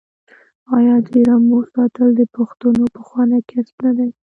آیا د رمو ساتل د پښتنو پخوانی کسب نه دی؟